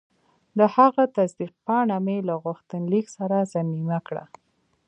د هغه تصدیق پاڼه مې له غوښتنلیک سره ضمیمه کړه.